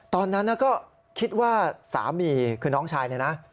ตอนนั้นก็คิดว่าสามีคือน้องชายเนี่ยนะ